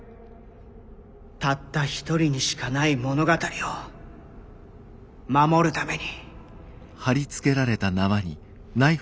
たった一人にしかない物語を守るために。